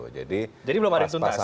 jadi belum ada yang tuntas